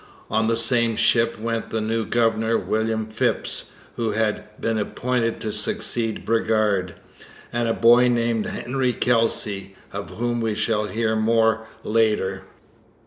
On the same ship went the new governor, William Phipps, who had been appointed to succeed Bridgar, and a boy named Henry Kelsey, of whom we shall hear more later.